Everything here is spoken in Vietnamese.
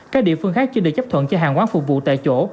các địa phương khác chưa được chấp thuận cho hàng quán phục vụ tại chỗ